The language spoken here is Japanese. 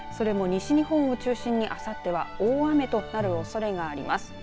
それも西日本を中心にあさっては大雨となるおそれがあります。